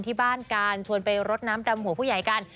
ที่บ้านการชวนไปรดน้ำดำหัวผู้ใหญ่กัน